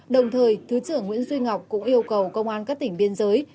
đồng thời thứ trưởng nguyễn duy ngọc cũng yêu cầu công an các tỉnh biên giới